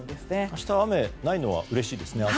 明日雨ないのはうれしいですね、朝ね。